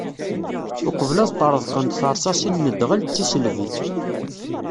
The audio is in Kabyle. Uqbel ad ṭṭreḍqent tersasin n dɣel d tisselbi.